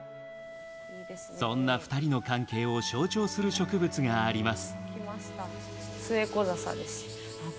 そんな２人の関係を象徴する植物があります。